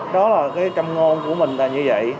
đó là cái trăm ngôn của mình là như vậy